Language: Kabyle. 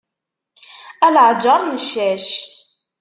A leɛǧer n ccac.